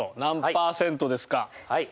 はい。